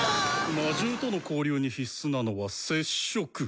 魔獸との交流に必須なのは「接触」。